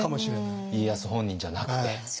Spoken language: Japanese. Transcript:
家康本人じゃなくて。